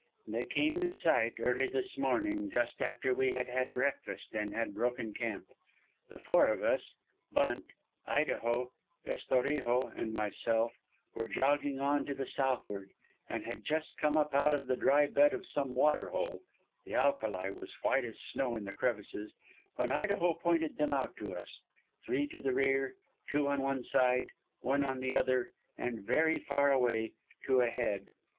"They came in sight early this morning just after we had had breakfast and had broken camp. The four of us 'Bunt,' 'Idaho,' Estorijo and myself were jogging on to the southward and had just come up out of the dry bed of some water hole the alkali was white as snow in the crevices when Idaho pointed them out to us, three to the rear, two on one side, one on the other and very far away two ahead.